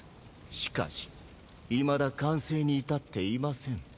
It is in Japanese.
しかしいまだ完成に至っていません。